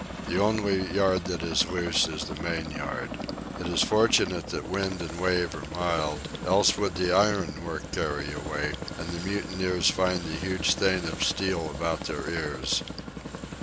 The only yard that is loose is the main yard. It is fortunate that wind and wave are mild, else would the iron work carry away and the mutineers find the huge thing of steel about their ears.